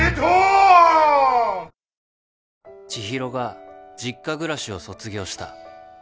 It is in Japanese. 知博が実家暮らしを卒業した